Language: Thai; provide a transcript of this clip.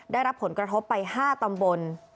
ได้รับผลกระทบไป๕ตำบล